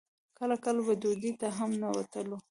کله کله به ډوډۍ ته هم نه وتلو.